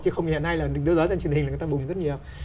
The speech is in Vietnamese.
chứ không hiện nay là đứa giáo trên truyền hình người ta bùng rất nhiều